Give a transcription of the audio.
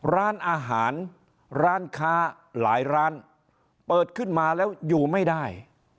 ร้านอาหารร้านค้าหลายร้านเปิดขึ้นมาแล้วอยู่ไม่ได้